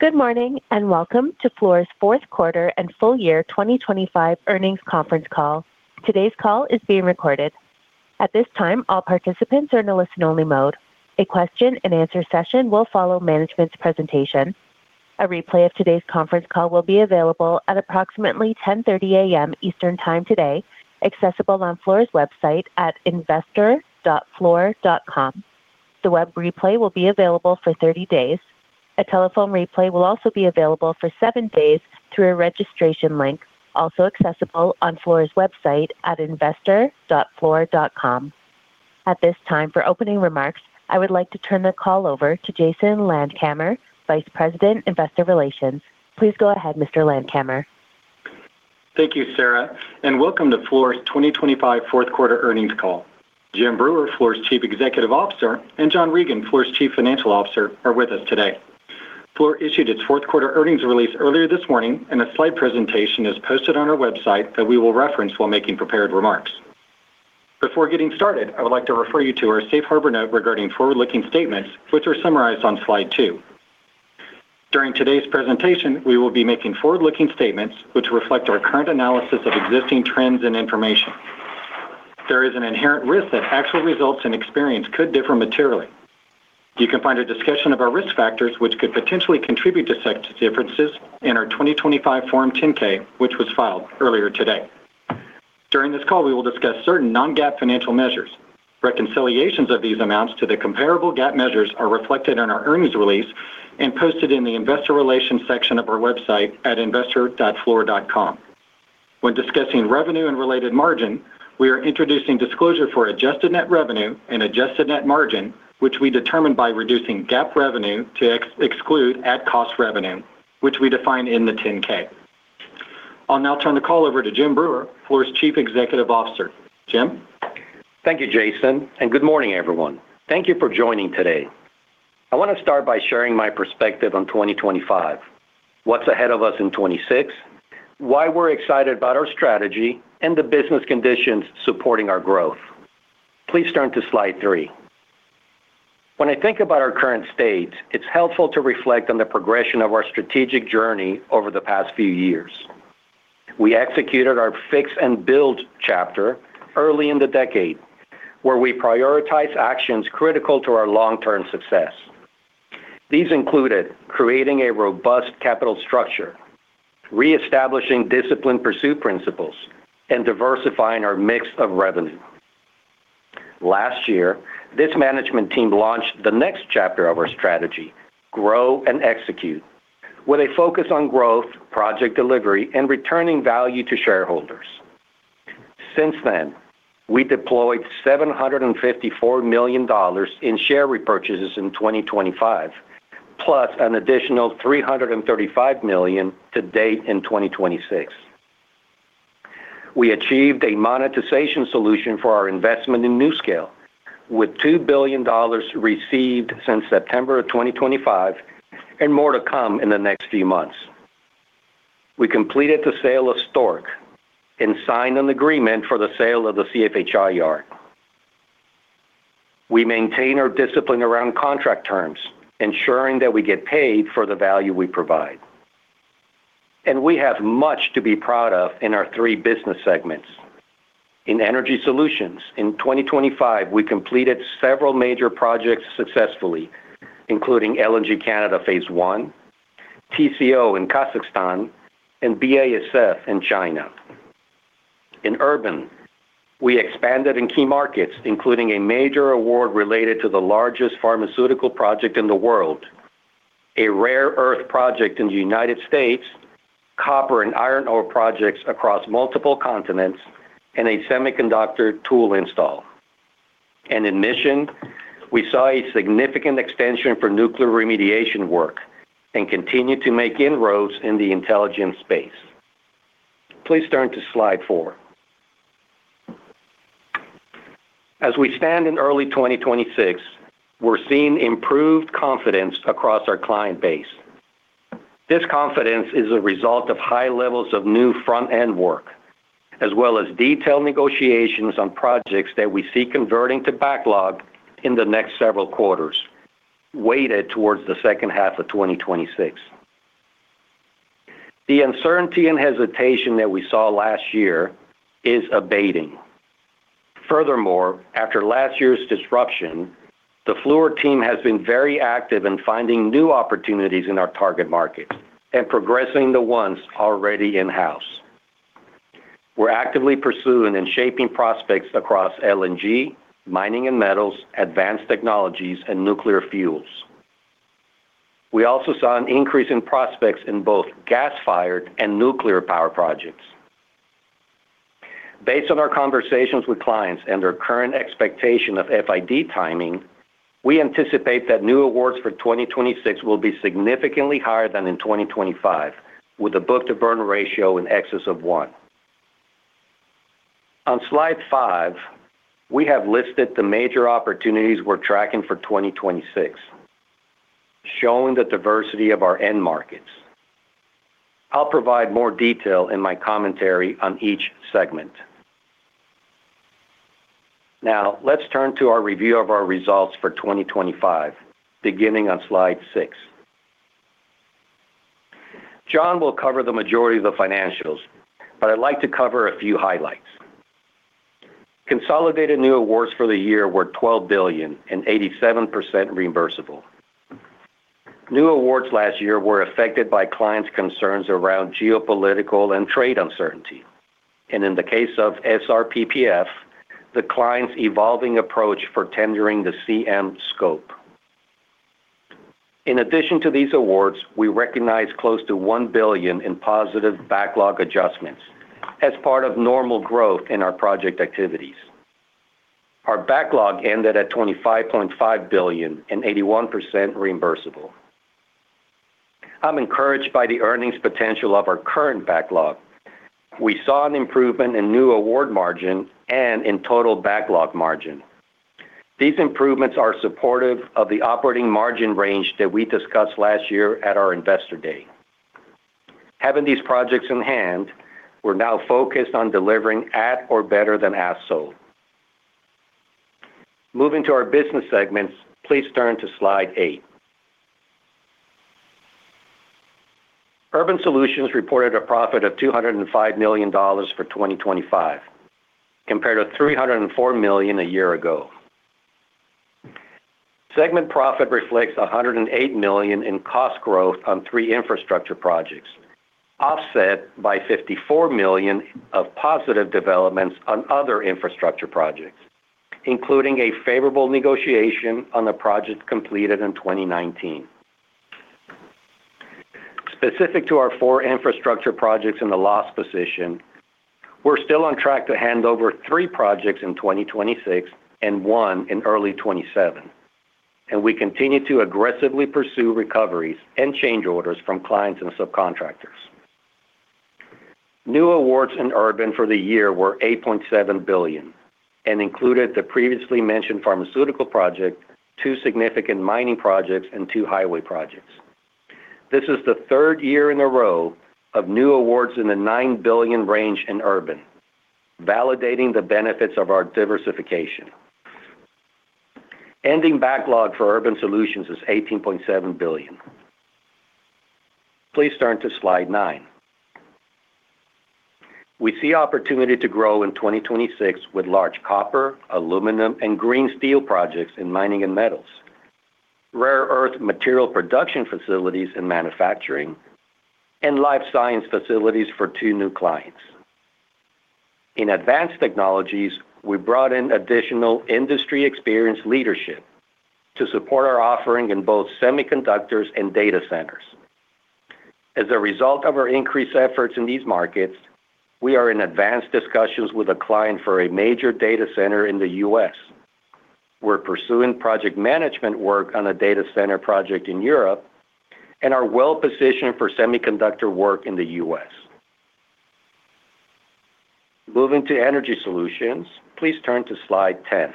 Good morning, and welcome to Fluor's fourth quarter and Full Year 2025 Earnings Conference Call. Today's call is being recorded. At this time, all participants are in a listen-only mode. A question-and-answer session will follow management's presentation. A replay of today's conference call will be available at approximately 10:30 A.M. Eastern Time today, accessible on Fluor's website at investor.fluor.com. The web replay will be available for 30 days. A telephone replay will also be available for seven days through a registration link, also accessible on Fluor's website at investor.fluor.com. At this time, for opening remarks, I would like to turn the call over to Jason Landkamer, Vice President, Investor Relations. Please go ahead, Mr. Landkamer. Thank you, Sarah, and welcome to Fluor's 2025 Fourth Quarter Earnings Call. Jim Breuer, Fluor's Chief Executive Officer, and John Regan, Fluor's Chief Financial Officer, are with us today. Fluor issued its fourth quarter earnings release earlier this morning, and a slide presentation is posted on our website that we will reference while making prepared remarks. Before getting started, I would like to refer you to our safe harbor note regarding forward-looking statements, which are summarized on slide two. During today's presentation, we will be making forward-looking statements which reflect our current analysis of existing trends and information. There is an inherent risk that actual results and experience could differ materially. You can find a discussion of our risk factors, which could potentially contribute to such differences, in our 2025 Form 10-K, which was filed earlier today. During this call, we will discuss certain non-GAAP financial measures. Reconciliations of these amounts to the comparable GAAP measures are reflected in our earnings release and posted in the investor relations section of our website at investor.fluor.com. When discussing revenue and related margin, we are introducing disclosure for adjusted net revenue and adjusted net margin, which we determine by reducing GAAP revenue to exclude at-cost revenue, which we define in the 10-K. I'll now turn the call over to Jim Breuer, Fluor's Chief Executive Officer. Jim? Thank you, Jason, and good morning, everyone. Thank you for joining today. I want to start by sharing my perspective on 2025, what's ahead of us in 2026, why we're excited about our strategy and the business conditions supporting our growth. Please turn to slide three. When I think about our current state, it's helpful to reflect on the progression of our strategic journey over the past few years. We executed our fix and build chapter early in the decade, where we prioritized actions critical to our long-term success. These included creating a robust capital structure, reestablishing disciplined pursuit principles, and diversifying our mix of revenue. Last year, this management team launched the next chapter of our strategy, Grow and Execute, with a focus on growth, project delivery, and returning value to shareholders. Since then, we deployed $754 million in share repurchases in 2025, plus an additional $335 million to date in 2026. We achieved a monetization solution for our investment in NuScale, with $2 billion received since September 2025 and more to come in the next few months. We completed the sale of Stork and signed an agreement for the sale of the CFHI Yard. We maintain our discipline around contract terms, ensuring that we get paid for the value we provide. And we have much to be proud of in our three business segments. In energy solutions, in 2025, we completed several major projects successfully, including LNG Canada Phase One, TCO in Kazakhstan, and BASF in China. In Urban, we expanded in key markets, including a major award related to the largest pharmaceutical project in the world, a rare earth project in the United States, copper and iron ore projects across multiple continents, and a semiconductor tool install. In Mission, we saw a significant extension for nuclear remediation work and continued to make inroads in the intelligence space. Please turn to slide four. As we stand in early 2026, we're seeing improved confidence across our client base. This confidence is a result of high levels of new front-end work, as well as detailed negotiations on projects that we see converting to backlog in the next several quarters, weighted towards the second half of 2026. The uncertainty and hesitation that we saw last year is abating. Furthermore, after last year's disruption, the Fluor team has been very active in finding new opportunities in our target markets and progressing the ones already in-house. We're actively pursuing and shaping prospects across LNG, mining and metals, advanced technologies, and nuclear fuels. We also saw an increase in prospects in both gas-fired and nuclear power projects. Based on our conversations with clients and their current expectation of FID timing, we anticipate that new awards for 2026 will be significantly higher than in 2025, with a Book-to-Burn Ratio in excess of one. On slide five, we have listed the major opportunities we're tracking for 2026, showing the diversity of our end markets. I'll provide more detail in my commentary on each segment. Now, let's turn to our review of our results for 2025, beginning on slide six. John will cover the majority of the financials, but I'd like to cover a few highlights. Consolidated new awards for the year were $12 billion and 87% reimbursable. New awards last year were affected by clients' concerns around geopolitical and trade uncertainty, and in the case of SRPPF, the client's evolving approach for tendering the CM scope. In addition to these awards, we recognized close to $1 billion in positive backlog adjustments as part of normal growth in our project activities. Our backlog ended at $25.5 billion and 81% reimbursable. I'm encouraged by the earnings potential of our current backlog. We saw an improvement in new award margin and in total backlog margin. These improvements are supportive of the operating margin range that we discussed last year at our Investor Day. Having these projects in hand, we're now focused on delivering at or better than as sold. Moving to our business segments, please turn to slide eight. Urban Solutions reported a profit of $205 million for 2025, compared to $304 million a year ago. Segment profit reflects $108 million in cost growth on three infrastructure projects, offset by $54 million of positive developments on other infrastructure projects, including a favorable negotiation on a project completed in 2019. Specific to our four infrastructure projects in the loss position, we're still on track to hand over three projects in 2026 and one in early 2027, and we continue to aggressively pursue recoveries and change orders from clients and subcontractors. New awards in Urban Solutions for the year were $8.7 billion and included the previously mentioned pharmaceutical project, two significant mining projects, and two highway projects. This is the third year in a row of new awards in the $9 billion range in Urban Solutions, validating the benefits of our diversification. Ending backlog for Urban Solutions is $18.7 billion. Please turn to slide nine. We see opportunity to grow in 2026 with large copper, aluminum, and green steel projects in mining and metals, rare earth material production facilities in manufacturing, and life science facilities for two new clients. In advanced technologies, we brought in additional industry experienced leadership to support our offering in both semiconductors and data centers. As a result of our increased efforts in these markets, we are in advanced discussions with a client for a major data center in the U.S. We're pursuing project management work on a data center project in Europe and are well-positioned for semiconductor work in the US. Moving to Energy Solutions, please turn to slide 10.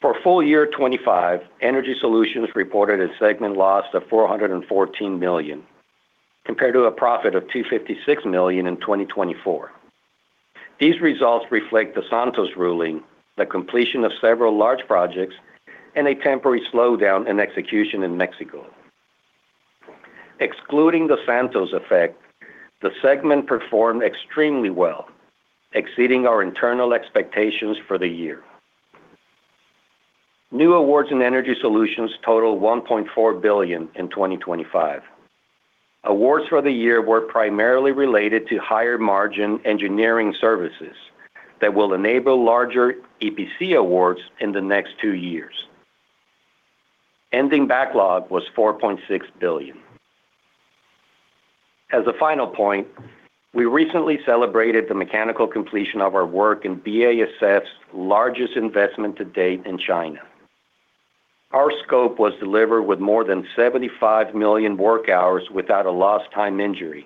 For full year 2025, Energy Solutions reported a segment loss of $414 million, compared to a profit of $256 million in 2024. These results reflect the Santos ruling, the completion of several large projects, and a temporary slowdown in execution in Mexico. Excluding the Santos effect, the segment performed extremely well, exceeding our internal expectations for the year. New awards in Energy Solutions totaled $1.4 billion in 2025. Awards for the year were primarily related to higher margin engineering services that will enable larger EPC awards in the next two years. Ending backlog was $4.6 billion. As a final point, we recently celebrated the mechanical completion of our work in BASF's largest investment to date in China. Our scope was delivered with more than 75 million work hours without a lost time injury,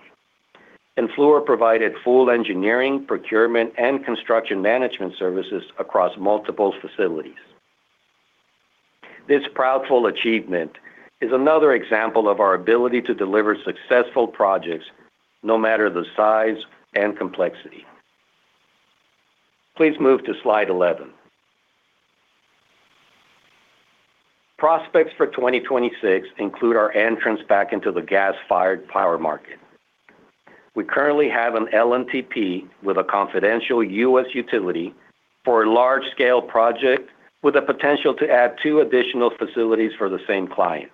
and Fluor provided full engineering, procurement, and construction management services across multiple facilities. This proud, full achievement is another example of our ability to deliver successful projects, no matter the size and complexity. Please move to slide 11. Prospects for 2026 include our entrance back into the gas-fired power market. We currently have an LNTP with a confidential U.S. utility for a large-scale project with the potential to add two additional facilities for the same client.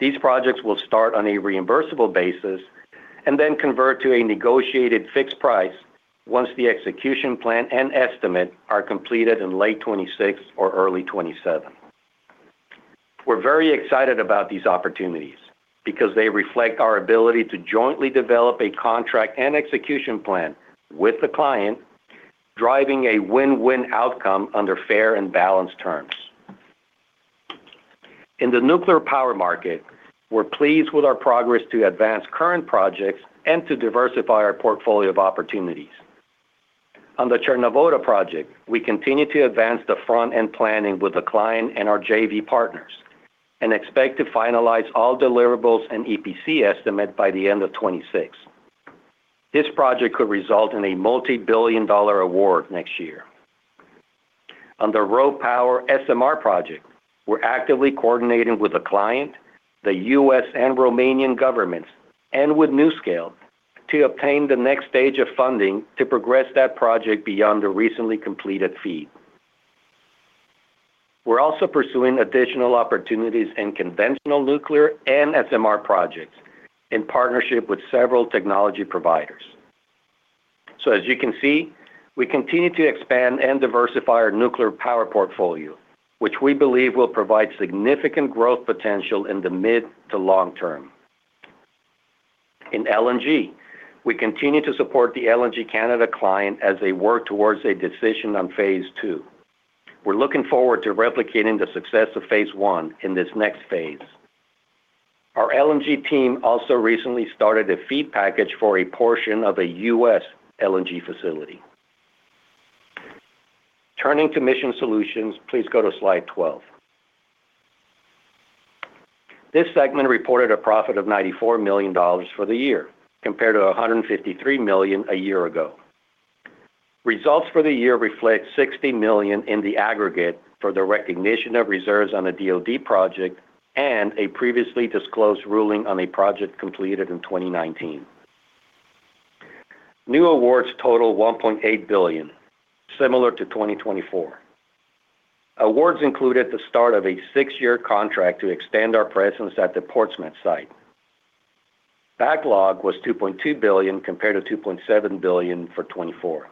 These projects will start on a reimbursable basis and then convert to a negotiated fixed price once the execution plan and estimate are completed in late 2026 or early 2027. We're very excited about these opportunities because they reflect our ability to jointly develop a contract and execution plan with the client, driving a win-win outcome under fair and balanced terms. In the nuclear power market, we're pleased with our progress to advance current projects and to diversify our portfolio of opportunities. On the Cernavoda project, we continue to advance the front-end planning with the client and our JV partners and expect to finalize all deliverables and EPC estimate by the end of 2026. This project could result in a multi-billion-dollar award next year. On the RoPower SMR project, we're actively coordinating with the client, the U.S. and Romanian governments, and with NuScale to obtain the next stage of funding to progress that project beyond the recently completed FEED. We're also pursuing additional opportunities in conventional nuclear and SMR projects in partnership with several technology providers. So as you can see, we continue to expand and diversify our nuclear power portfolio, which we believe will provide significant growth potential in the mid to long term. In LNG, we continue to support the LNG Canada client as they work towards a decision on phase two. We're looking forward to replicating the success of phase one in this next phase. Our LNG team also recently started a FEED package for a portion of a U.S. LNG facility. Turning to Mission Solutions, please go to slide 12. This segment reported a profit of $94 million for the year, compared to $153 million a year ago. Results for the year reflect $60 million in the aggregate for the recognition of reserves on a DoD project and a previously disclosed ruling on a project completed in 2019. New awards total $1.8 billion, similar to 2024. Awards include at the start of a six-year contract to extend our presence at the Portsmouth site. Backlog was $2.2 billion, compared to $2.7 billion for 2024.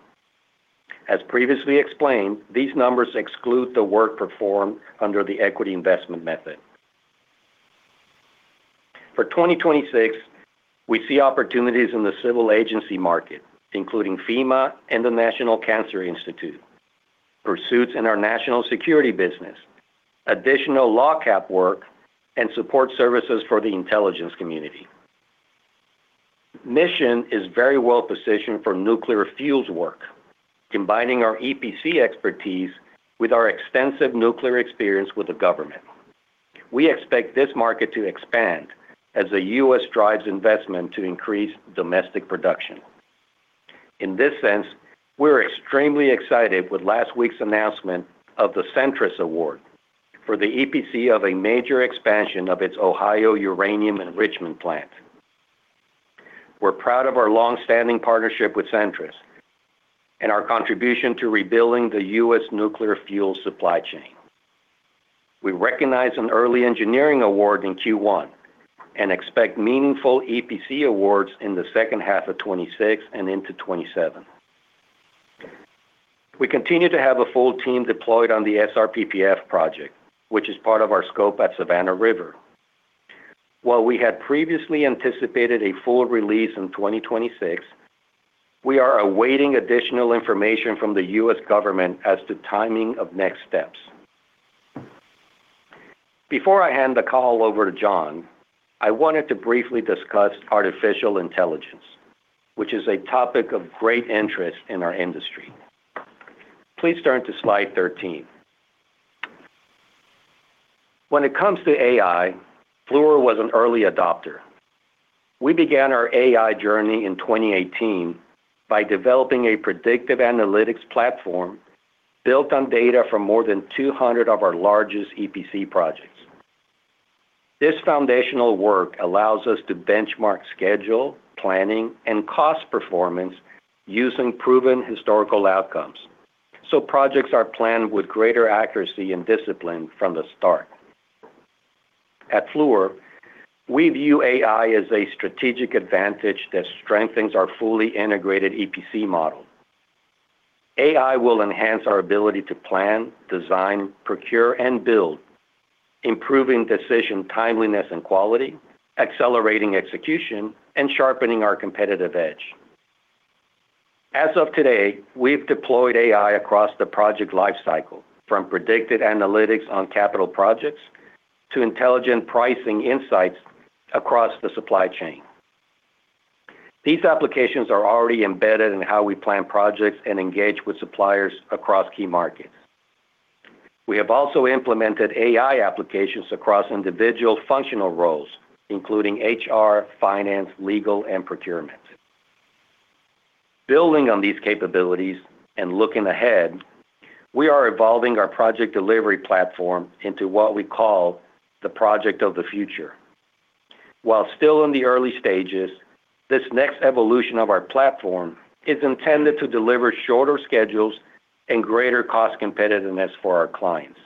As previously explained, these numbers exclude the work performed under the equity investment method. For 2026, we see opportunities in the civil agency market, including FEMA and the National Cancer Institute, pursuits in our national security business, additional LOGCAP work, and support services for the intelligence community. Mission is very well positioned for nuclear fuels work, combining our EPC expertise with our extensive nuclear experience with the government. We expect this market to expand as the U.S. drives investment to increase domestic production. In this sense, we're extremely excited with last week's announcement of the Centrus Award for the EPC of a major expansion of its Ohio uranium enrichment plant. We're proud of our long-standing partnership with Centrus and our contribution to rebuilding the U.S. nuclear fuel supply chain. We recognize an early engineering award in Q1 and expect meaningful EPC awards in the second half of 2026 and into 2027. We continue to have a full team deployed on the SRPPF project, which is part of our scope at Savannah River. While we had previously anticipated a full release in 2026, we are awaiting additional information from the U.S. government as to timing of next steps. Before I hand the call over to John, I wanted to briefly discuss artificial intelligence, which is a topic of great interest in our industry. Please turn to slide 13. When it comes to AI, Fluor was an early adopter. We began our AI journey in 2018 by developing a predictive analytics platform built on data from more than 200 of our largest EPC projects. This foundational work allows us to benchmark schedule, planning, and cost performance using proven historical outcomes, so projects are planned with greater accuracy and discipline from the start. At Fluor, we view AI as a strategic advantage that strengthens our fully integrated EPC model. AI will enhance our ability to plan, design, procure, and build, improving decision timeliness and quality, accelerating execution, and sharpening our competitive edge. As of today, we've deployed AI across the project lifecycle, from predicted analytics on capital projects to intelligent pricing insights across the supply chain. These applications are already embedded in how we plan projects and engage with suppliers across key markets. We have also implemented AI applications across individual functional roles, including HR, finance, legal, and procurement. Building on these capabilities and looking ahead, we are evolving our project delivery platform into what we call the Project of the Future. While still in the early stages, this next evolution of our platform is intended to deliver shorter schedules and greater cost competitiveness for our clients.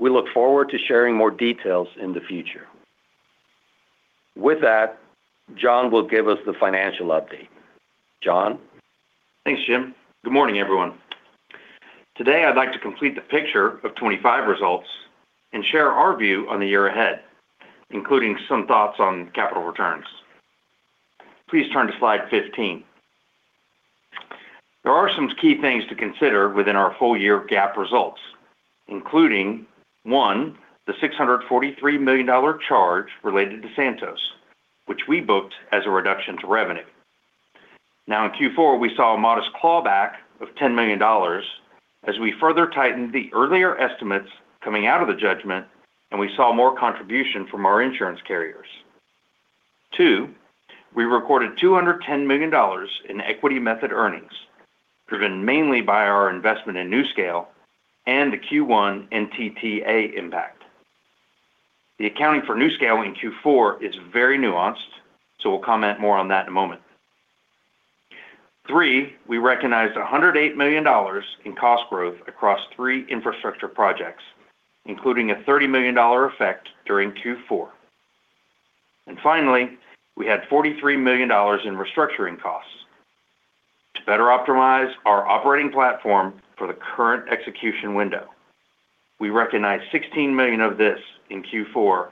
We look forward to sharing more details in the future. With that, John will give us the financial update. John? Thanks, Jim. Good morning, everyone. Today, I'd like to complete the picture of 2025 results and share our view on the year ahead, including some thoughts on capital returns. Please turn to slide 15. There are some key things to consider within our full year GAAP results, including, one, the $643 million charge related to Santos, which we booked as a reduction to revenue. Now, in Q4, we saw a modest clawback of $10 million as we further tightened the earlier estimates coming out of the judgment, and we saw more contribution from our insurance carriers. Two, we recorded $210 million in equity method earnings, driven mainly by our investment in NuScale and the Q1 NTTA impact. The accounting for NuScale in Q4 is very nuanced, so we'll comment more on that in a moment. Three, we recognized $108 million in cost growth across three infrastructure projects, including a $30 million effect during Q4. Finally, we had $43 million in restructuring costs to better optimize our operating platform for the current execution window. We recognized $16 million of this in Q4,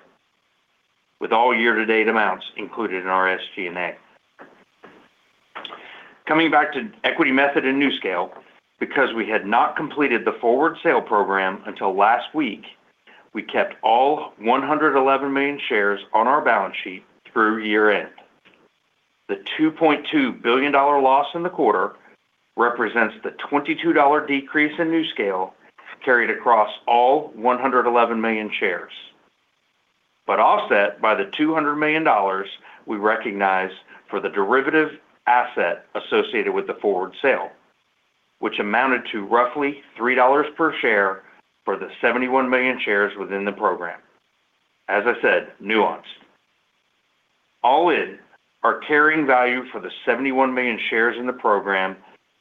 with all year-to-date amounts included in our SG&A. Coming back to equity method and NuScale, because we had not completed the forward sale program until last week, we kept all 111 million shares on our balance sheet through year-end. The $2.2 billion loss in the quarter represents the $22 decrease in NuScale carried across all 111 million shares, but offset by the $200 million we recognized for the derivative asset associated with the forward sale, which amounted to roughly $3 per share for the 71 million shares within the program. As I said, NuScale. All in, our carrying value for the 71 million shares in the program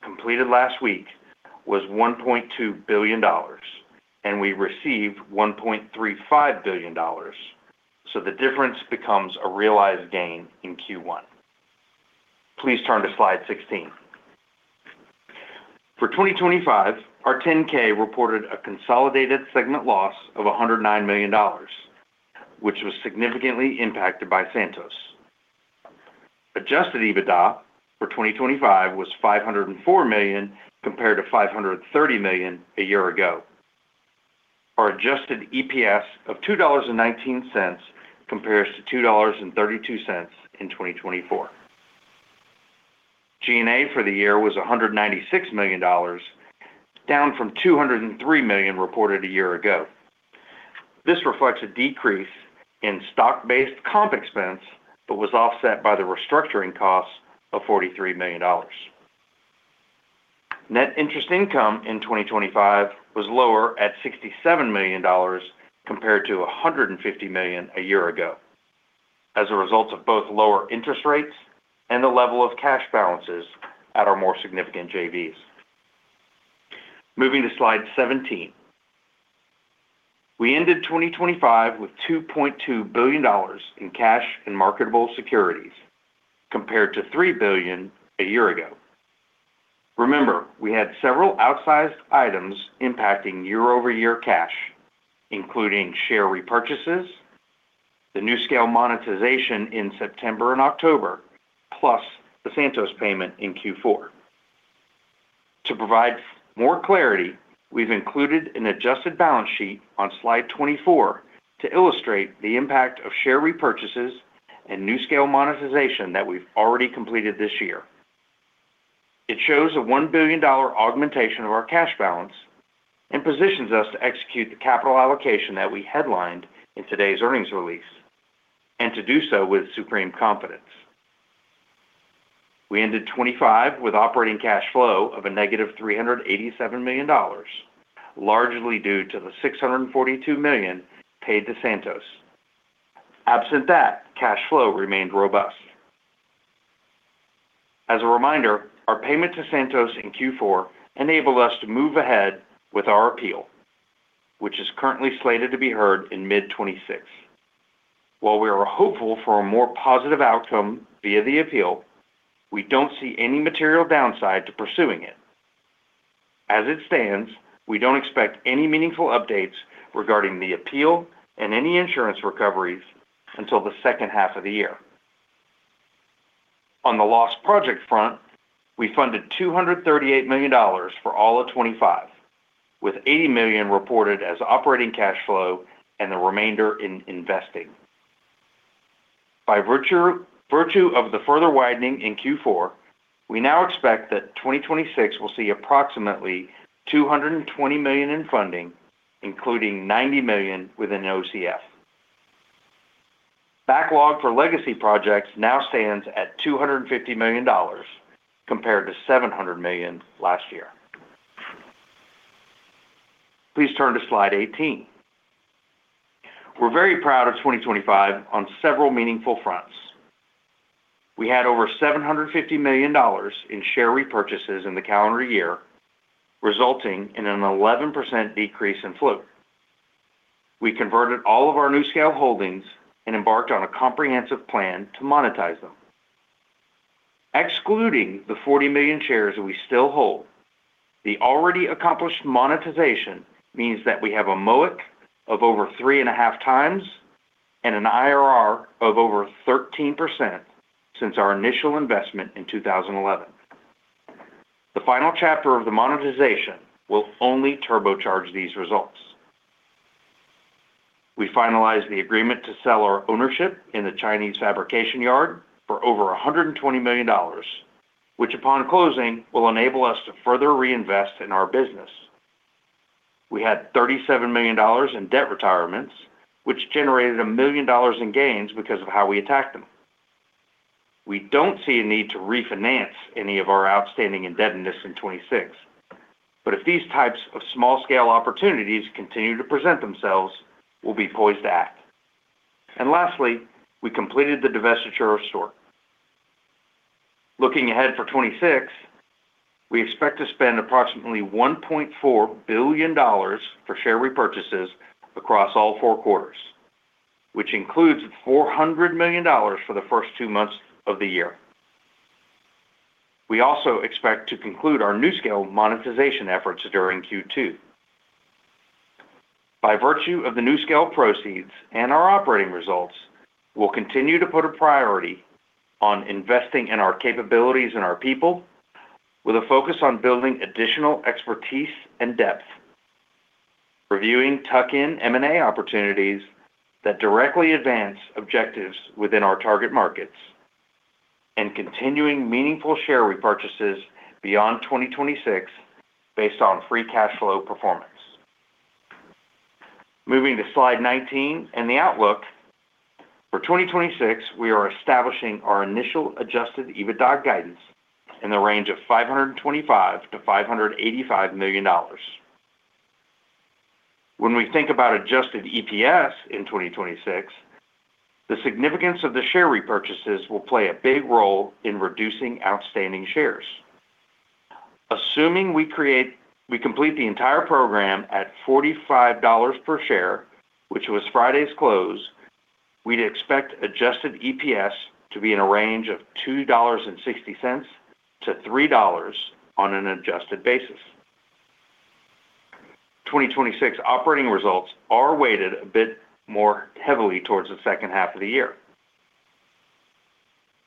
completed last week was $1.2 billion, and we received $1.35 billion, so the difference becomes a realized gain in Q1. Please turn to slide 16. For 2025, our 10-K reported a consolidated segment loss of $109 million, which was significantly impacted by Santos. Adjusted EBITDA for 2025 was $504 million, compared to $530 million a year ago. Our adjusted EPS of $2.19 compares to $2.32 in 2024. G&A for the year was $196 million, down from $203 million reported a year ago. This reflects a decrease in stock-based comp expense, but was offset by the restructuring costs of $43 million. Net interest income in 2025 was lower at $67 million, compared to $150 million a year ago, as a result of both lower interest rates and the level of cash balances at our more significant JVs. Moving to slide 17. We ended 2025 with $2.2 billion in cash and marketable securities compared to $3 billion a year ago. Remember, we had several outsized items impacting year-over-year cash, including share repurchases, the NuScale monetization in September and October, plus the Santos payment in Q4. To provide more clarity, we've included an adjusted balance sheet on slide 24 to illustrate the impact of share repurchases and NuScale monetization that we've already completed this year. It shows a $1 billion augmentation of our cash balance and positions us to execute the capital allocation that we headlined in today's earnings release, and to do so with supreme confidence. We ended 2025 with operating cash flow of a negative $387 million, largely due to the $642 million paid to Santos. Absent that, cash flow remained robust. As a reminder, our payment to Santos in Q4 enabled us to move ahead with our appeal, which is currently slated to be heard in mid-2026. While we are hopeful for a more positive outcome via the appeal, we don't see any material downside to pursuing it. As it stands, we don't expect any meaningful updates regarding the appeal and any insurance recoveries until the second half of the year. On the lost project front, we funded $238 million for all of 2025, with $80 million reported as operating cash flow and the remainder in investing. By virtue of the further widening in Q4, we now expect that 2026 will see approximately $220 million in funding, including $90 million within OCF. Backlog for legacy projects now stands at $250 million, compared to $700 million last year. Please turn to slide 18. We're very proud of 2025 on several meaningful fronts. We had over $750 million in share repurchases in the calendar year, resulting in an 11% decrease in float. We converted all of our NuScale holdings and embarked on a comprehensive plan to monetize them. Excluding the 40 million shares that we still hold, the already accomplished monetization means that we have a MOIC of over 3.5x and an IRR of over 13% since our initial investment in 2011. The final chapter of the monetization will only turbocharge these results. We finalized the agreement to sell our ownership in the Chinese fabrication yard for over $120 million, which upon closing, will enable us to further reinvest in our business. We had $37 million in debt retirements, which generated $1 million in gains because of how we attacked them. We don't see a need to refinance any of our outstanding indebtedness in 2026, but if these types of small-scale opportunities continue to present themselves, we'll be poised to act. Lastly, we completed the divestiture of Stork. Looking ahead for 2026, we expect to spend approximately $1.4 billion for share repurchases across all four quarters, which includes $400 million for the first two months of the year. We also expect to conclude our NuScale monetization efforts during Q2. By virtue of the NuScale proceeds and our operating results, we'll continue to put a priority on investing in our capabilities and our people, with a focus on building additional expertise and depth, reviewing tuck-in M&A opportunities that directly advance objectives within our target markets, and continuing meaningful share repurchases beyond 2026 based on free cash flow performance. Moving to slide 19 and the outlook. For 2026, we are establishing our initial adjusted EBITDA guidance in the range of $525 million to $585 million. When we think about adjusted EPS in 2026, the significance of the share repurchases will play a big role in reducing outstanding shares. Assuming we complete the entire program at $45 per share, which was Friday's close, we'd expect adjusted EPS to be in a range of $2.60-$3 on an adjusted basis. 2026 operating results are weighted a bit more heavily towards the second half of the year.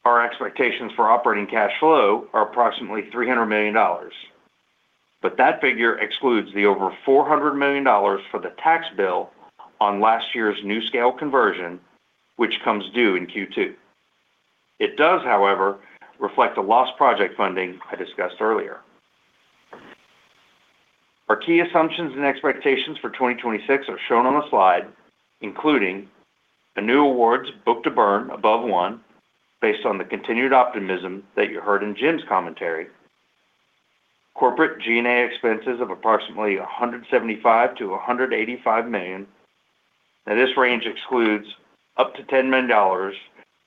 Our expectations for operating cash flow are approximately $300 million, but that figure excludes the over $400 million for the tax bill on last year's NuScale conversion, which comes due in Q2. It does, however, reflect a loss project funding I discussed earlier. Our key assumptions and expectations for 2026 are shown on the slide, including the new awards, book-to-burn above 1, based on the continued optimism that you heard in Jim's commentary. Corporate G&A expenses of approximately $175 million to $185 million. Now, this range excludes up to $10 million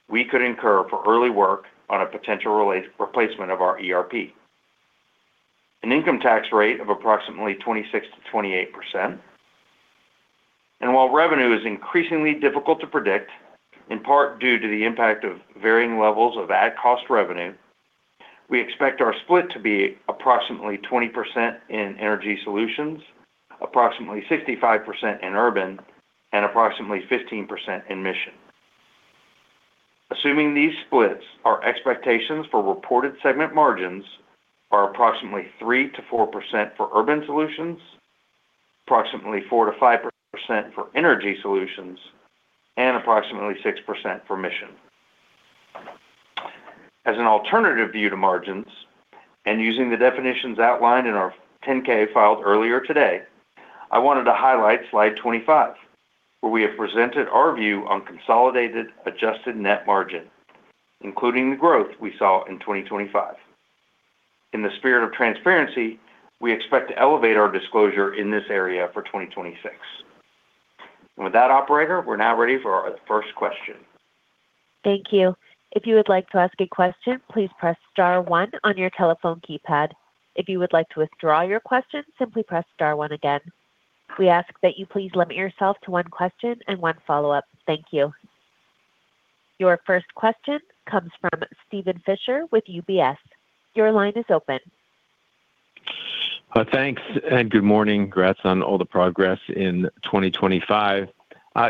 we could incur for early work on a potential replacement of our ERP. An income tax rate of approximately 26%-28%. And while revenue is increasingly difficult to predict, in part due to the impact of varying levels of at-cost revenue, we expect our split to be approximately 20% in Energy Solutions, approximately 65% in Urban, and approximately 15% in Mission. Assuming these splits, our expectations for reported segment margins are approximately 3%-4% for urban solutions, approximately 4%-5% for energy solutions, and approximately 6% for mission. As an alternative view to margins, and using the definitions outlined in our 10-K filed earlier today, I wanted to highlight slide 25, where we have presented our view on consolidated, adjusted net margin, including the growth we saw in 2025. In the spirit of transparency, we expect to elevate our disclosure in this area for 2026. With that, operator, we're now ready for our first question. Thank you. If you would like to ask a question, please press star one on your telephone keypad. If you would like to withdraw your question, simply press star one again. We ask that you please limit yourself to one question and one follow-up. Thank you. Your first question comes from Steven Fisher with UBS. Your line is open. Thanks, and good morning. Congrats on all the progress in 2025.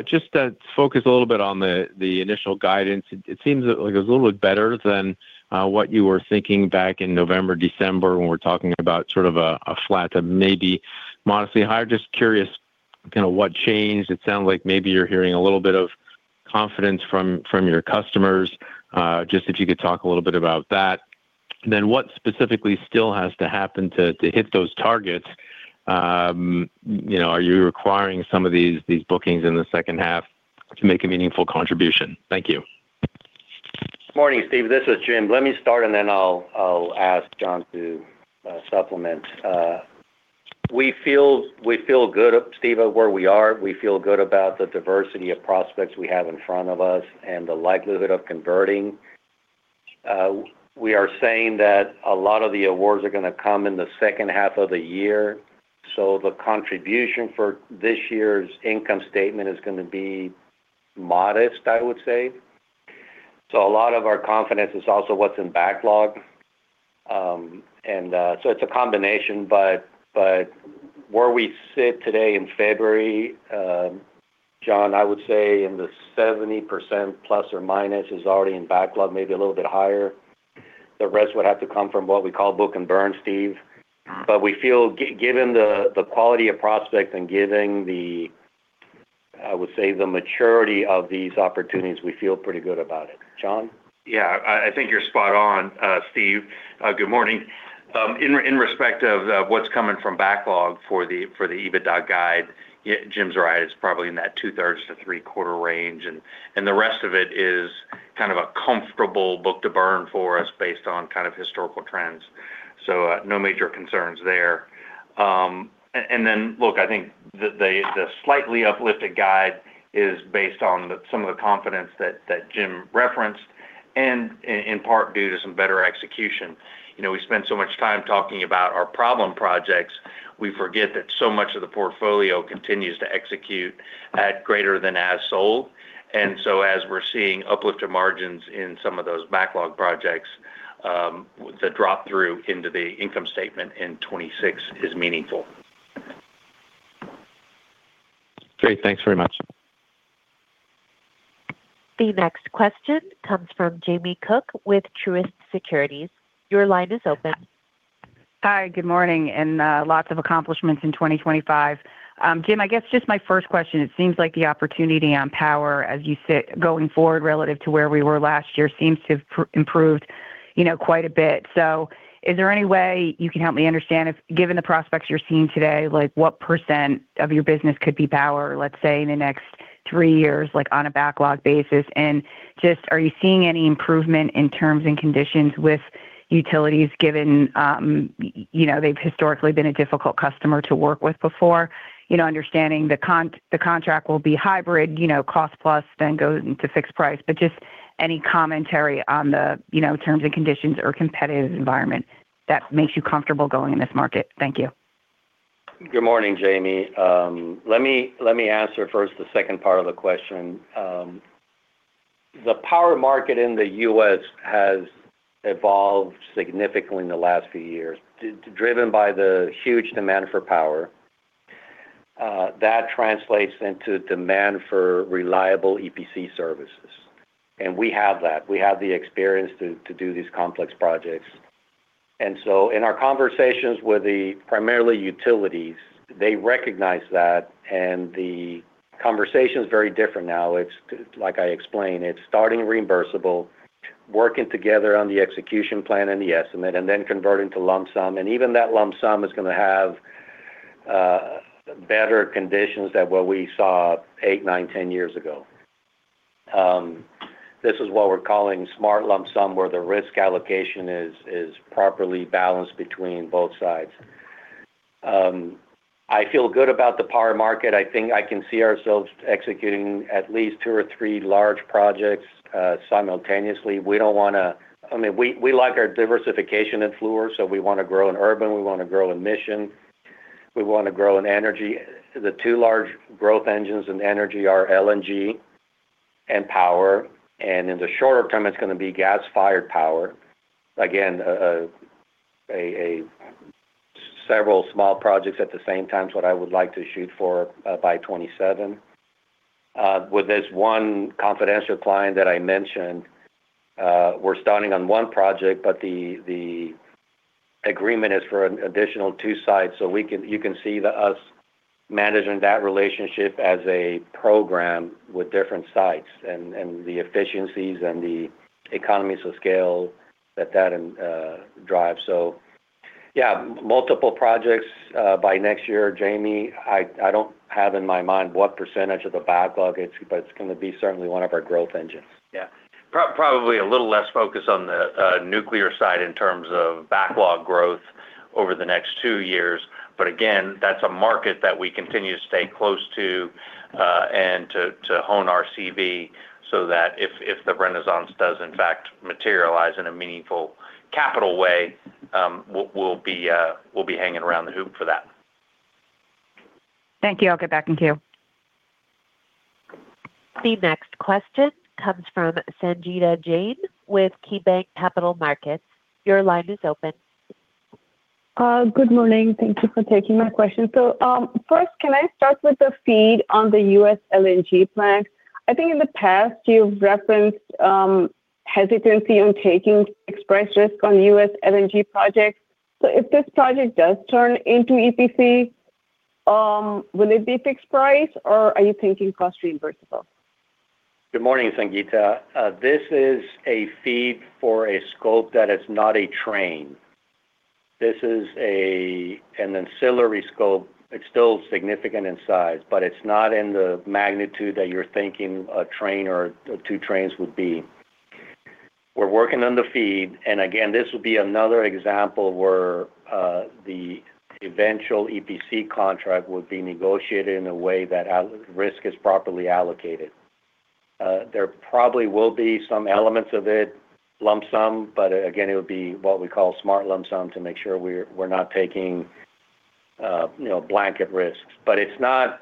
Just to focus a little bit on the initial guidance, it seems like it was a little bit better than what you were thinking back in November, December, when we're talking about sort of a flat to maybe modestly higher. Just curious, kind of what changed. It sounded like maybe you're hearing a little bit of confidence from your customers. Just if you could talk a little bit about that. Then what specifically still has to happen to hit those targets? You know, are you requiring some of these bookings in the second half to make a meaningful contribution? Thank you. Morning, Steve. This is Jim. Let me start, and then I'll ask John to supplement. We feel, we feel good, Steve, where we are. We feel good about the diversity of prospects we have in front of us and the likelihood of converting. We are saying that a lot of the awards are going to come in the second half of the year, so the contribution for this year's income statement is going to be modest, I would say. So a lot of our confidence is also what's in backlog. So it's a combination, but where we sit today in February, John, I would say 70% plus or minus is already in backlog, maybe a little bit higher? the rest would have to come from what we call book and burn, Steve. But we feel given the quality of prospects and given the maturity of these opportunities, we feel pretty good about it. John? Yeah, I think you're spot on, Steve. Good morning. In respect of what's coming from backlog for the EBITDA guide, yeah, Jim's right. It's probably in that two-thirds to three-quarter range, and the rest of it is kind of a comfortable book-to-burn for us based on kind of historical trends. So, no major concerns there. And then, look, I think the slightly uplifted guide is based on some of the confidence that Jim referenced, and in part due to some better execution. You know, we spend so much time talking about our problem projects, we forget that so much of the portfolio continues to execute at greater than as sold. As we're seeing uplift to margins in some of those backlog projects, the drop-through into the income statement in 2026 is meaningful. Great. Thanks very much. The next question comes from Jamie Cook with Truist Securities. Your line is open. Hi, good morning, and lots of accomplishments in 2025. Jim, I guess just my first question, it seems like the opportunity on power, as you sit going forward, relative to where we were last year, seems to have improved, you know, quite a bit. So is there any way you can help me understand if, given the prospects you're seeing today, like, what % of your business could be power, let's say, in the next three years, like, on a backlog basis? And just, are you seeing any improvement in terms and conditions with utilities, given, you know, they've historically been a difficult customer to work with before? You know, understanding the contract will be hybrid, you know, cost plus then goes into fixed price. Just any commentary on the, you know, terms and conditions or competitive environment that makes you comfortable going in this market? Thank you. Good morning, Jamie. Let me answer first the second part of the question. The power market in the U.S. has evolved significantly in the last few years, driven by the huge demand for power. That translates into demand for reliable EPC services, and we have that. We have the experience to do these complex projects. And so in our conversations with the primarily utilities, they recognize that, and the conversation is very different now. It's, like I explained, it's starting reimbursable, working together on the execution plan and the estimate, and then converting to lump sum, and even that lump sum is gonna have better conditions than what we saw eight, nine, 10 years ago. This is what we're calling smart lump sum, where the risk allocation is properly balanced between both sides. I feel good about the power market. I think I can see ourselves executing at least two or three large projects simultaneously. We don't wanna I mean, we, we like our diversification in Fluor, so we wanna grow in urban, we wanna grow in mission, we wanna grow in energy. The two large growth engines in energy are LNG and power, and in the shorter term, it's gonna be gas-fired power. Again, several small projects at the same time is what I would like to shoot for by 2027. With this one confidential client that I mentioned, we're starting on one project, but the agreement is for an additional two sites, so we can, you can see us managing that relationship as a program with different sites and the efficiencies and the economies of scale that that drives. So yeah, multiple projects by next year, Jamie. I don't have in my mind what percentage of the backlog it's, but it's gonna be certainly one of our growth engines. Yeah. Probably a little less focus on the nuclear side in terms of backlog growth over the next two years. But again, that's a market that we continue to stay close to, and to hone our CV so that if the renaissance does, in fact, materialize in a meaningful capital way, we'll be hanging around the hoop for that. Thank you. I'll get back in queue. The next question comes from Sangita Jain with KeyBanc Capital Markets. Your line is open. Good morning. Thank you for taking my question. So, first, can I start with the FEED on the U.S. LNG plant? I think in the past, you've referenced hesitancy on taking express risk on U.S. LNG projects. So if this project does turn into EPC, will it be fixed price, or are you thinking cost reimbursable? Good morning, Sangita. This is a FEED for a scope that is not a train. This is an ancillary scope. It's still significant in size, but it's not in the magnitude that you're thinking a train or two trains would be. We're working on the FEED, and again, this would be another example where the eventual EPC contract would be negotiated in a way that all-risk is properly allocated. There probably will be some elements of it, lump sum, but again, it would be what we call smart lump sum to make sure we're not taking, you know, blanket risks. But it's not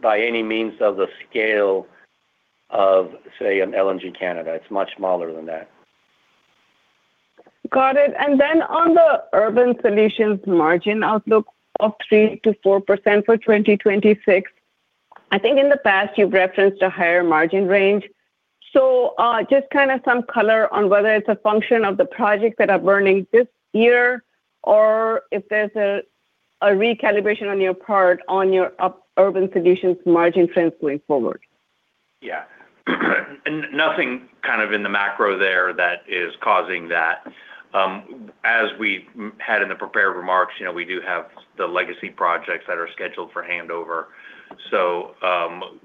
by any means of the scale of, say, an LNG Canada. It's much smaller than that. Got it. And then on the Urban Solutions margin outlook of 3%-4% for 2026, I think in the past, you've referenced a higher margin range. So, just kind of some color on whether it's a function of the projects that are burning this year or if there's a recalibration on your part on your Urban Solutions margin trends going forward. Yeah. And nothing kind of in the macro there that is causing that. As we had in the prepared remarks, you know, we do have the legacy projects that are scheduled for handover. So,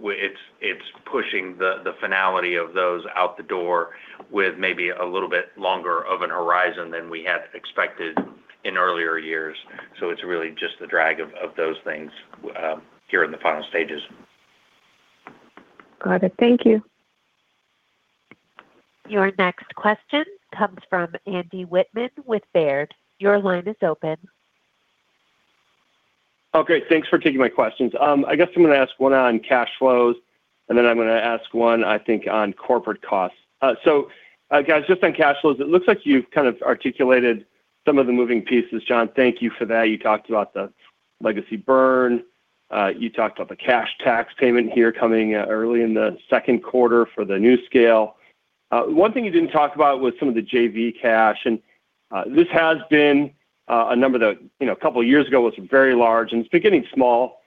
it's pushing the finality of those out the door with maybe a little bit longer of an horizon than we had expected in earlier years. So it's really just the drag of those things here in the final stages. Got it. Thank you. Your next question comes from Andrew Wittman with Baird. Your line is open. Oh, great. Thanks for taking my questions. I guess I'm going to ask one on cash flows, and then I'm gonna ask one, I think, on corporate costs. So, guys, just on cash flows, it looks like you've kind of articulated some of the moving pieces. John, thank you for that. You talked about the legacy burn, you talked about the cash tax payment here coming early in the second quarter for the NuScale. One thing you didn't talk about was some of the JV cash, and this has been a number that, you know, a couple of years ago, was very large, and it's been getting small.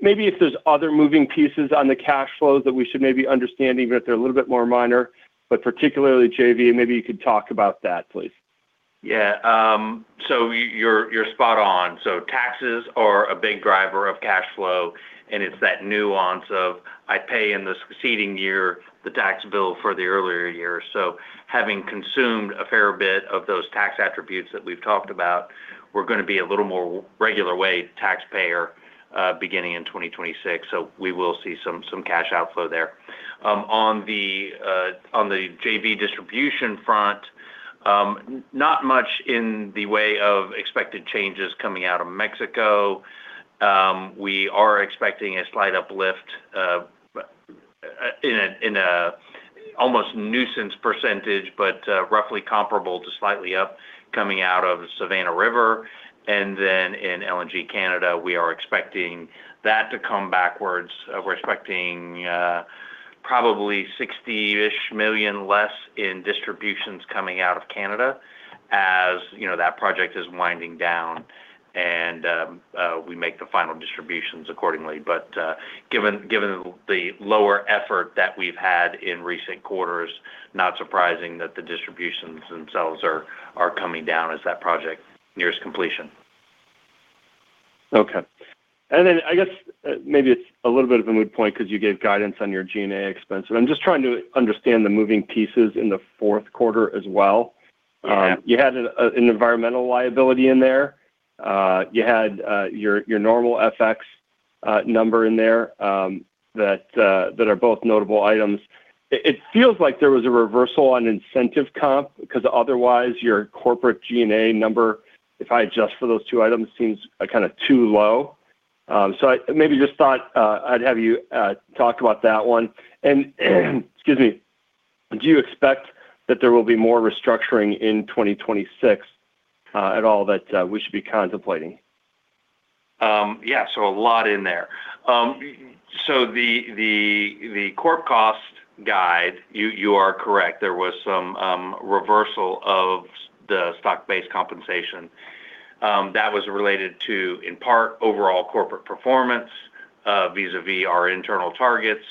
Maybe if there's other moving pieces on the cash flows that we should maybe understand, even if they're a little bit more minor, but particularly JV, maybe you could talk about that, please. Yeah. So you're spot on. So taxes are a big driver of cash flow, and it's that nuance of, I pay in the succeeding year, the tax bill for the earlier year. So having consumed a fair bit of those tax attributes that we've talked about, we're gonna be a little more regular way taxpayer, beginning in 2026. So we will see some cash outflow there. On the JV distribution front, not much in the way of expected changes coming out of Mexico. We are expecting a slight uplift in a almost nuisance percentage, but roughly comparable to slightly up coming out of Savannah River. And then in LNG Canada, we are expecting that to come backwards. We're expecting, probably $60-ish million less in distributions coming out of Canada, as, you know, that project is winding down and, we make the final distributions accordingly. But, given the lower effort that we've had in recent quarters, not surprising that the distributions themselves are coming down as that project nears completion. Okay. And then, I guess, maybe it's a little bit of a moot point because you gave guidance on your G&A expense, but I'm just trying to understand the moving pieces in the fourth quarter as well. Yeah. You had an environmental liability in there. You had your normal FX number in there, that are both notable items. It feels like there was a reversal on incentive comp, because otherwise, your corporate G&A number, if I adjust for those two items, seems kind of too low. So I maybe just thought I'd have you talk about that one. And excuse me. Do you expect that there will be more restructuring in 2026 at all, that we should be contemplating? Yeah, so a lot in there. So the corp cost guide, you are correct, there was some reversal of the stock-based compensation. That was related to, in part, overall corporate performance vis-a-vis our internal targets.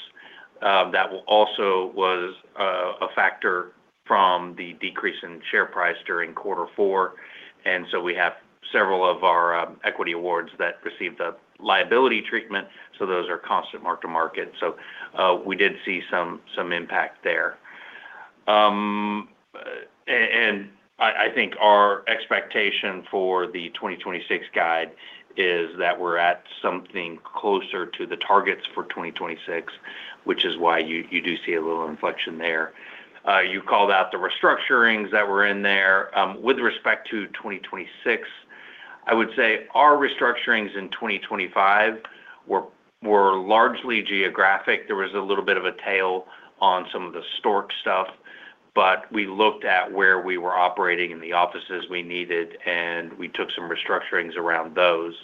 That also was a factor from the decrease in share price during quarter four, and so we have several of our equity awards that received a liability treatment, so those are constant mark to market. So we did see some impact there. And I think our expectation for the 2026 guide is that we're at something closer to the targets for 2026, which is why you do see a little inflection there. You called out the restructurings that were in there. With respect to 2026, I would say our restructurings in 2025 were largely geographic. There was a little bit of a tail on some of the Stork stuff, but we looked at where we were operating in the offices we needed, and we took some restructurings around those.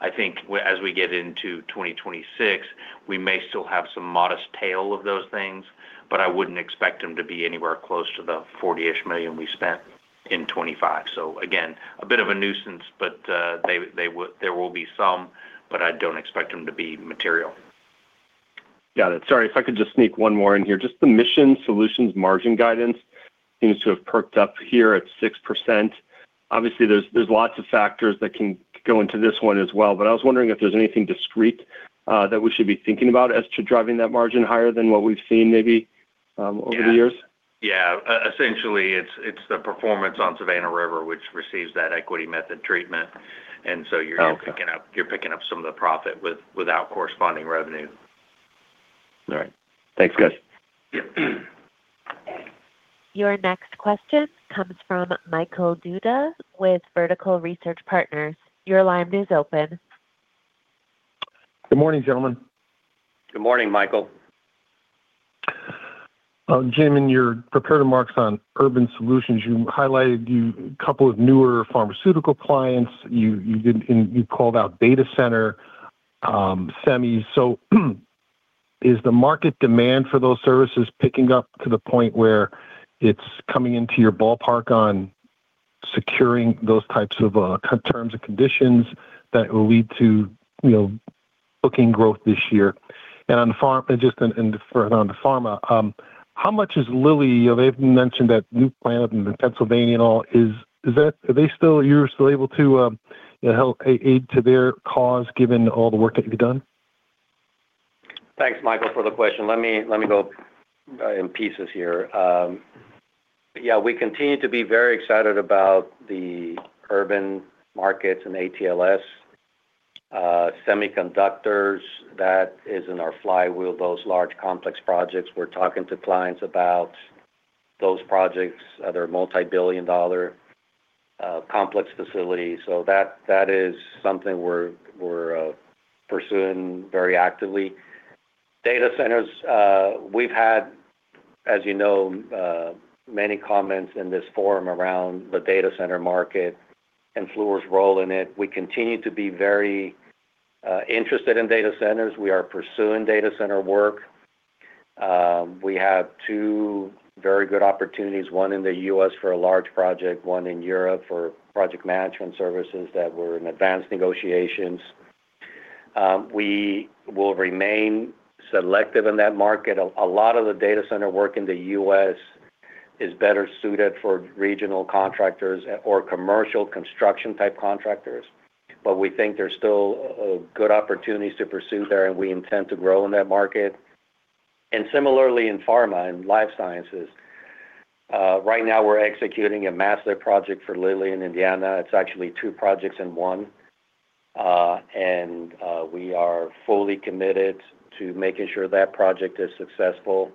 I think as we get into 2026, we may still have some modest tail of those things, but I wouldn't expect them to be anywhere close to the $40-ish million we spent in 2025. So again, a bit of a nuisance, but they will. There will be some, but I don't expect them to be material. Got it. Sorry if I could just sneak one more in here. Just the Mission Solutions margin guidance seems to have perked up here at 6%. Obviously, there's, there's lots of factors that can go into this one as well, but I was wondering if there's anything discrete that we should be thinking about as to driving that margin higher than what we've seen maybe over the years? Yeah. Essentially, it's the performance on Savannah River, which receives that equity method treatment. Okay. And so you're picking up some of the profit without corresponding revenue. All right. Thanks, guys. Yep. Your next question comes from Michael Dudas with Vertical Research Partners. Your line is open. Good morning, gentlemen. Good morning, Michael. Jim, in your prepared remarks on urban solutions, you highlighted a couple of newer pharmaceutical clients. You, you did, and you called out data center, semis. So is the market demand for those services picking up to the point where it's coming into your ballpark on securing those types of terms and conditions that will lead to, you know, booking growth this year? And on pharma, just and, and on the pharma, how much is Lilly? You know, they've mentioned that new plant in Pennsylvania and all. Is, is that, are they still, you're still able to help aid to their cause, given all the work that you've done? Thanks, Michael, for the question. Let me go in pieces here. Yeah, we continue to be very excited about the uranium markets and also semiconductors. That is in our flywheel, those large complex projects. We're talking to clients about those projects, they're multi-billion-dollar complex facilities, so that is something we're pursuing very actively. Data centers, we've had, as you know, many comments in this forum around the data center market and Fluor's role in it. We continue to be very interested in data centers. We are pursuing data center work. We have two very good opportunities, one in the U.S. for a large project, one in Europe for project management services that we're in advanced negotiations. We will remain selective in that market. A lot of the data center work in the U.S. is better suited for regional contractors or commercial construction-type contractors. But we think there's still good opportunities to pursue there, and we intend to grow in that market. Similarly, in pharma and life sciences, right now we're executing a massive project for Lilly in Indiana. It's actually two projects in one. We are fully committed to making sure that project is successful.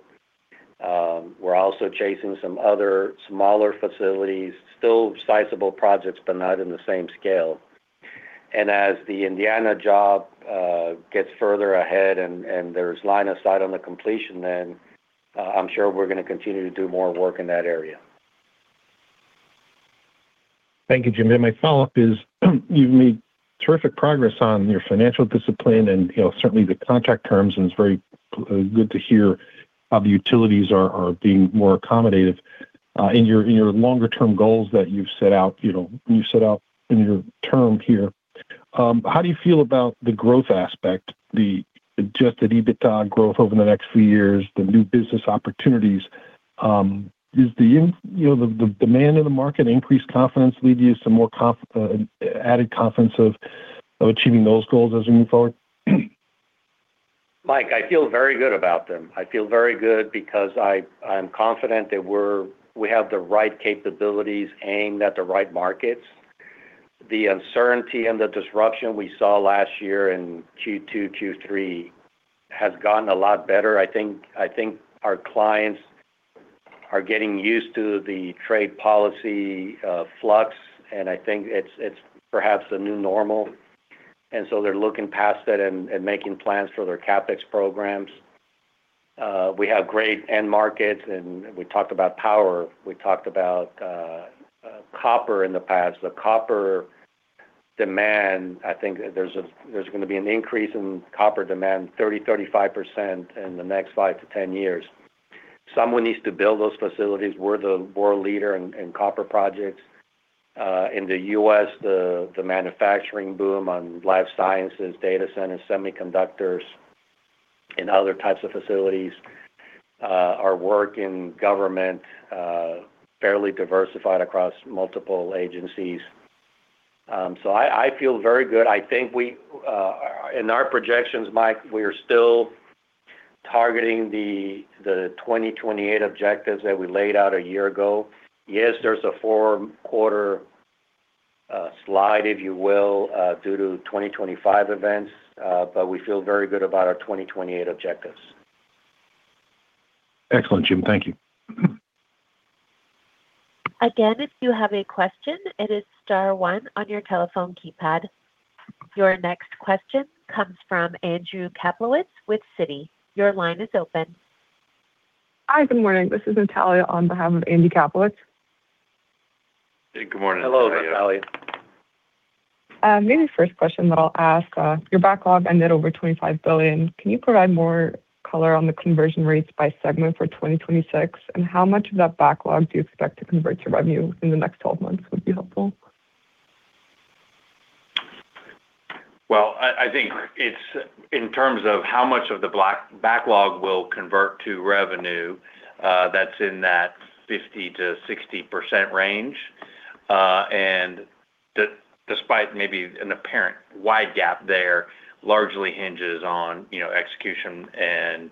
We're also chasing some other smaller facilities, still sizable projects, but not in the same scale. And as the Indiana job gets further ahead and there's line of sight on the completion, then I'm sure we're gonna continue to do more work in that area. Thank you, Jim. My follow-up is, you've made terrific progress on your financial discipline and, you know, certainly the contract terms, and it's very good to hear how the utilities are being more accommodative in your longer term goals that you've set out, you know, you set out in your term here. How do you feel about the growth aspect, the Adjusted EBITDA growth over the next few years, the new business opportunities? Does the, you know, the demand in the market increase confidence, lead you to some more added confidence of achieving those goals as we move forward? Mike, I feel very good about them. I feel very good because I, I'm confident that we're we have the right capabilities aimed at the right markets. The uncertainty and the disruption we saw last year in Q2, Q3 has gotten a lot better. I think, I think our clients are getting used to the trade policy flux, and I think it's, it's perhaps the new normal, and so they're looking past that and, and making plans for their CapEx programs. We have great end markets, and we talked about power, we talked about copper in the past. The copper demand, I think there's gonna be an increase in copper demand, 30%-35% in the next 5-10 years. Someone needs to build those facilities. We're the world leader in, in copper projects. In the U.S., the manufacturing boom on life sciences, data centers, semiconductors, and other types of facilities, our work in government, fairly diversified across multiple agencies. So I feel very good. I think we in our projections, Mike, we are still targeting the 2028 objectives that we laid out a year ago. Yes, there's a four-quarter slide, if you will, due to 2025 events, but we feel very good about our 2028 objectives. Excellent, Jim. Thank you. Again, if you have a question, it is star one on your telephone keypad. Your next question comes from Andy Kaplowitz with Citi. Your line is open. Hi, good morning. This is Natalia on behalf of Andy Kaplowitz. Hey, good morning Hello, Natalia. Maybe the first question that I'll ask, your backlog ended over $25 billion. Can you provide more color on the conversion rates by segment for 2026? And how much of that backlog do you expect to convert to revenue in the next 12 months, would be helpful. Well, I think it's, in terms of how much of the backlog will convert to revenue, that's in that 50%-60% range. Despite maybe an apparent wide gap there, largely hinges on, you know, execution and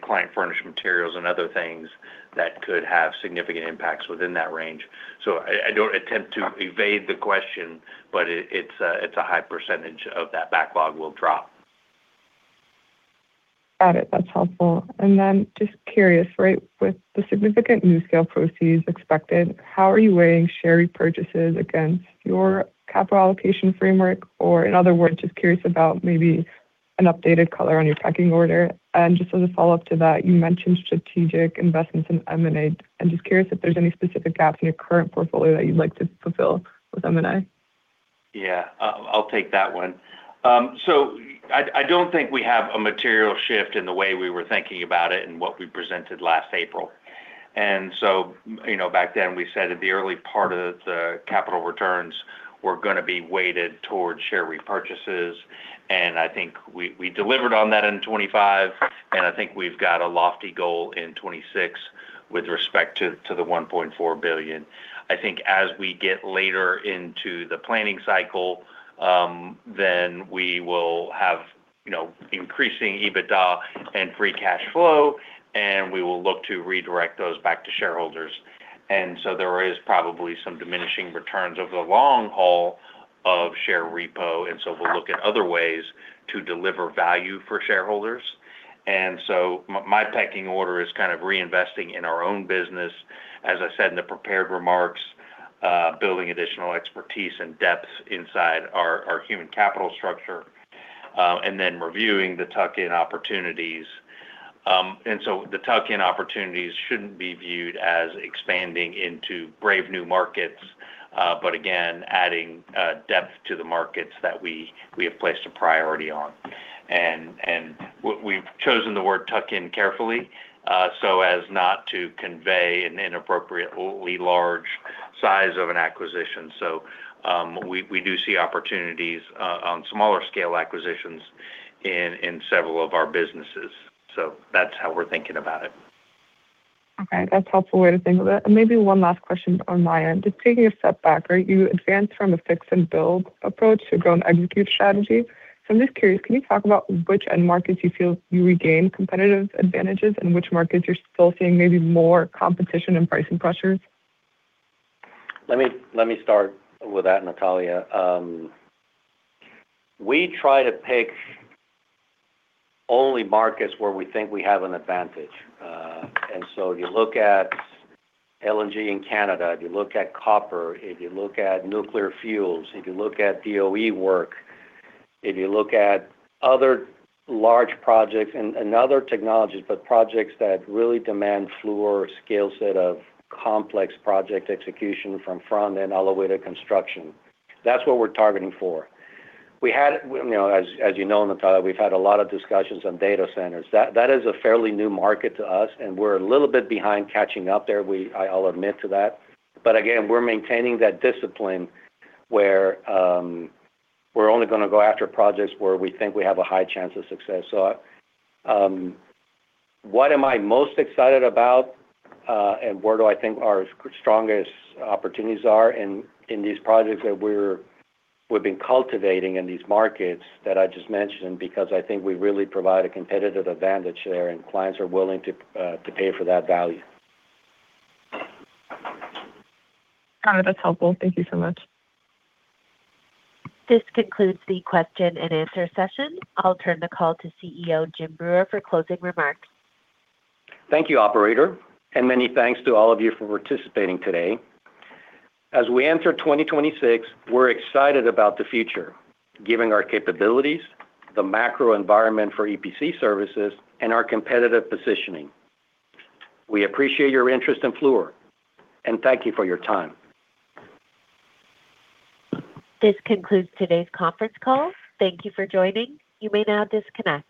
client furnished materials and other things that could have significant impacts within that range. So I don't attempt to evade the question, but it's a high percentage of that backlog will drop. Got it. That's helpful. Then just curious, right? With the significant new scale proceeds expected, how are you weighing share repurchases against your capital allocation framework? Or, in other words, just curious about maybe an updated color on your pecking order. And just as a follow-up to that, you mentioned strategic investments in M&A. I'm just curious if there's any specific gaps in your current portfolio that you'd like to fulfill with M&A? Yeah, I'll take that one. So I don't think we have a material shift in the way we were thinking about it and what we presented last April. And so, you know, back then, we said in the early part of the capital returns were gonna be weighted towards share repurchases, and I think we delivered on that in 2025, and I think we've got a lofty goal in 2026 with respect to the $1.4 billion. I think as we get later into the planning cycle, then we will have, you know, increasing EBITDA and free cash flow, and we will look to redirect those back to shareholders. And so there is probably some diminishing returns over the long haul of share repo, and so we'll look at other ways to deliver value for shareholders. So my pecking order is kind of reinvesting in our own business, as I said in the prepared remarks, building additional expertise and depth inside our human capital structure, and then reviewing the tuck-in opportunities. The tuck-in opportunities shouldn't be viewed as expanding into brave new markets, but again, adding depth to the markets that we have placed a priority on. And we've chosen the word tuck-in carefully, so as not to convey an inappropriately large size of an acquisition. So we do see opportunities on smaller scale acquisitions in several of our businesses. So that's how we're thinking about it. Okay, that's a helpful way to think of it. And maybe one last question on my end. Just taking a step back, right? You advanced from a fix and build approach to grow and execute strategy. So I'm just curious, can you talk about which end markets you feel you regained competitive advantages and which markets you're still seeing maybe more competition and pricing pressures? Let me, let me start with that, Natalia. We try to pick only markets where we think we have an advantage. And so if you look at LNG in Canada, if you look at copper, if you look at nuclear fuels, if you look at DOE work, if you look at other large projects and other technologies, but projects that really demand Fluor skill set of complex project execution from front end all the way to construction, that's what we're targeting for. We had, you know, as you know, Natalia, we've had a lot of discussions on data centers. That, that is a fairly new market to us, and we're a little bit behind catching up there. We. I'll admit to that. But again, we're maintaining that discipline where we're only gonna go after projects where we think we have a high chance of success. What am I most excited about, and where do I think our strongest opportunities are in these projects that we've been cultivating in these markets that I just mentioned, because I think we really provide a competitive advantage there, and clients are willing to pay for that value. Got it. That's helpful. Thank you so much. This concludes the question and answer session. I'll turn the call to CEO, Jim Breuer, for closing remarks. Thank you, operator, and many thanks to all of you for participating today. As we enter 2026, we're excited about the future, given our capabilities, the macro environment for EPC services, and our competitive positioning. We appreciate your interest in Fluor, and thank you for your time. This concludes today's conference call. Thank you for joining. You may now disconnect.